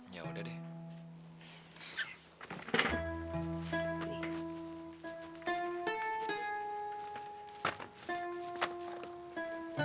ya udah deh